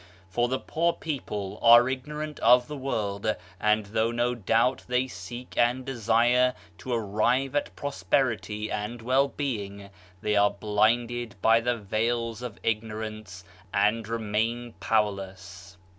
For the poor people are ignorant of the world, and though no doubt they seek and desire to arrive at prosperity and well being, they are blinded by the veils of ignorance and remain powerless.